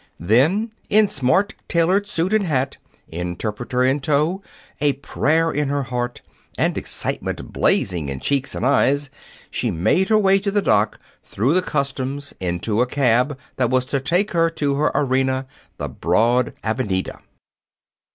Then, in smart tailored suit and hat, interpreter in tow, a prayer in her heart, and excitement blazing in cheeks and eyes, she made her way to the dock, through the customs, into a cab that was to take her to her arena, the broad Avenida.